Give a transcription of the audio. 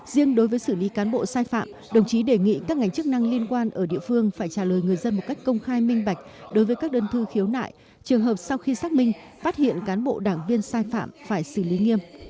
riêng đối với xử lý cán bộ sai phạm đồng chí đề nghị các ngành chức năng liên quan ở địa phương phải trả lời người dân một cách công khai minh bạch đối với các đơn thư khiếu nại trường hợp sau khi xác minh phát hiện cán bộ đảng viên sai phạm phải xử lý nghiêm